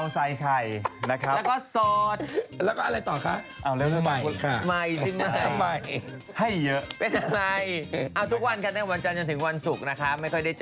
สวัสดีค่ะ